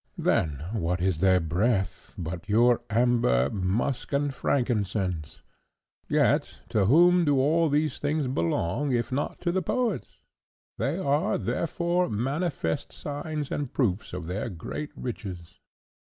Then what is their breath but pure amber, musk, and frankincense? Yet to whom do all these things belong, if not to the poets? They are, therefore, manifest signs and proofs of their great riches."